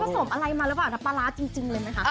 แล้วก็ผสมอะไรมาหรือเปล่านะปลาร้าจริงจริงเลยมั้ยคะ